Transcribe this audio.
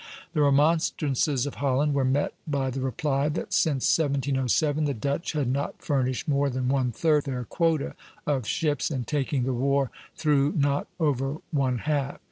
The remonstrances of Holland were met by the reply that since 1707 the Dutch had not furnished more than one third their quota of ships, and taking the war through, not over one half.